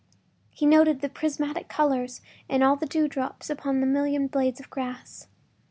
He noted the prismatic colors in all the dewdrops upon a million blades of grass.